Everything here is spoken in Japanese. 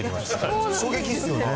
衝撃ですよね。